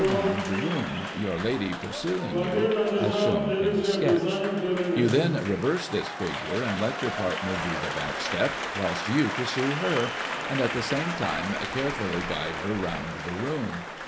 round the room, your lady pursuing you (as shown in the sketch) ; you then reverse this figure, and let your partner do the back step, whilst you pursue her, and, at the same time, carefully guide her round the room.